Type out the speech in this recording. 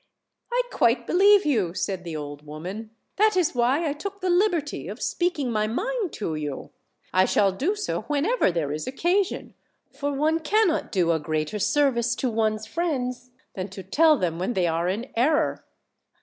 "I quite believe you," said the old woman. "That is why I took the liberty of speaking my mind to you. I shall do so whenever there is occasion, for one cannot do 110 OLD, OLD FAIRY TALES. a greater service to one's friends than to tell them when they are in error."